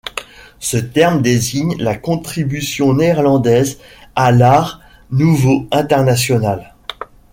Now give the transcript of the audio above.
Ce terme désigne la contribution néerlandaise à l'Art nouveau international.